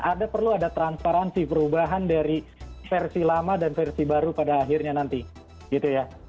ada perlu ada transparansi perubahan dari versi lama dan versi baru pada akhirnya nanti gitu ya